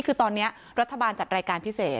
คือตอนนี้รัฐบาลจัดรายการพิเศษ